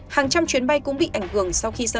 hàng trăm chuyến bay cũng bị ảnh hưởng sau khi sân bay